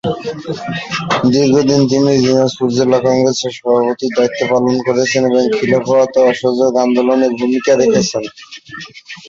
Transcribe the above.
দীর্ঘদিন তিনি দিনাজপুর জেলা কংগ্রেসের সভাপতির দায়িত্ব পালন করেছেন এবং খিলাফত ও অসহযোগ আন্দোলনে ভূমিকা রেখেছেন।